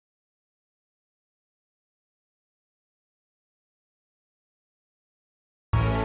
karena dia bikin aku birang ke calf weird byad